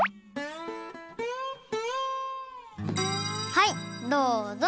はいどうぞ！